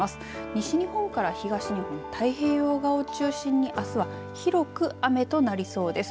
西日本から東日本太平洋側を中心に、あすは広く雨となりそうです。